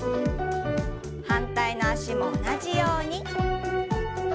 反対の脚も同じように。